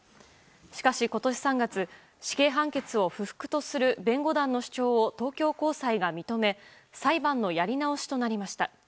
しかし、今年３月死刑判決を不服とする弁護団の主張を東京高裁が認め裁判のやり直しとなりました。